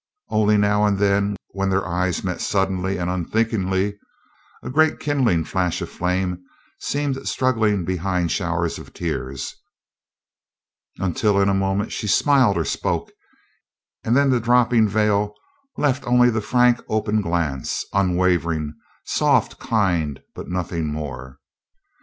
Only now and then, when their eyes met suddenly or unthinkingly, a great kindling flash of flame seemed struggling behind showers of tears, until in a moment she smiled or spoke, and then the dropping veil left only the frank open glance, unwavering, soft, kind, but nothing more.